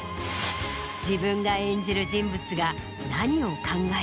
自分が演じる人物が何を考え